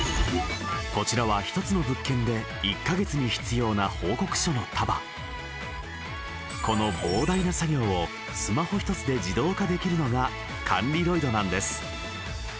こちらは一つの物件で１カ月に必要な報告書の束この膨大な作業をスマホ一つで自動化できるのが管理ロイドなんです